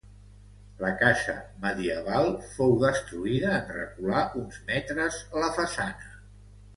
La casa medieval fou destruïda en recular uns metres la façana.